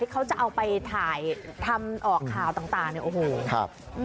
เขาจะเอาไปถ่ายทำออกข่าวต่างเนี่ยโอ้โหครับ